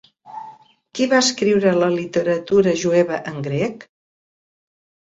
Qui va escriure la literatura jueva en grec?